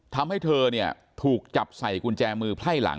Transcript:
ทำให้เธอเนี่ยถูกจับใส่กุญแจมือไพร่หลัง